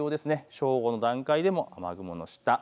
正午の段階でも雨雲の下。